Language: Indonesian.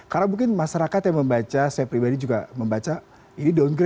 karena mungkin masyarakat yang membaca saya pribadi juga membaca ini downgrade nih kenapa begitu ya